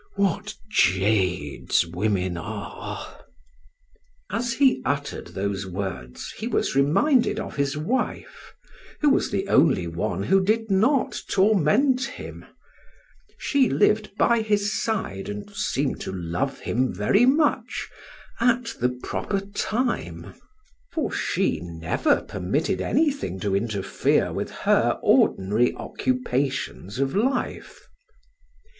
What jades women are!" As he uttered those words he was reminded of his wife, who was the only one who did not torment him; she lived by his side and seemed to love him very much at the proper time, for she never permitted anything to interfere with her ordinary occupations of life.